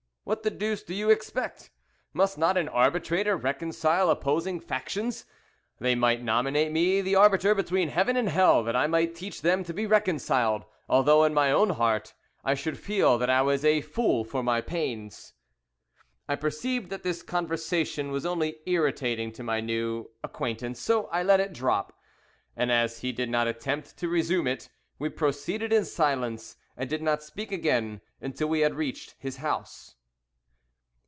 What the deuce do you expect? Must not an arbitrator reconcile opposing factions? They might nominate me the arbiter between Heaven and Hell, that I might teach them to be reconciled, although, in my own heart, I should feel that I was a fool for my pains." I perceived that this conversation was only irritating to my new acquaintance, so I let it drop, and as he did not attempt to resume it, we proceeded in silence, and did not speak again until we had reached his house.